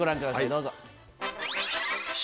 どうぞ。